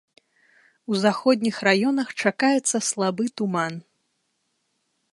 У заходніх раёнах чакаецца слабы туман.